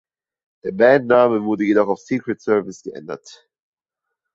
Der Bandname wurde jedoch auf „Secret Service“ geändert.